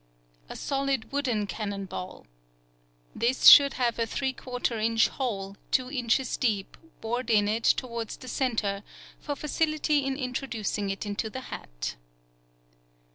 A solid wooden cannon ball.—This should have a ¾ in. hole, 2 in. deep, bored in it towards the center, for facility in introducing it into the hat.